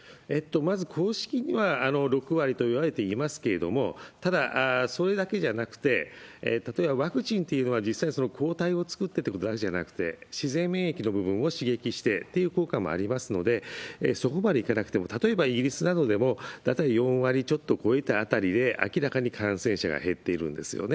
まず公式には６割といわれていますけれども、ただ、それだけじゃなくて、例えばワクチンっていうのは実際、抗体を作ってという話じゃなくて、自然免疫の部分を刺激してっていう効果もありますので、そこまでいかなくても、たとえばイギリスなどでも、大体４割ちょっと超えたあたりで明らかに感染者が減っているんですよね。